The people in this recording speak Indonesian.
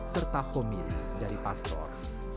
serta homilis dari pastor